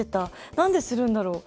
なんでするんだろう？